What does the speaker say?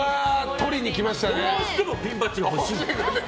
どうしてもピンバッジが欲しい。